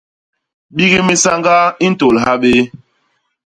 Bik minsañgaa i ntôl ha béé.